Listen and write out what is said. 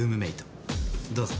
どうぞ。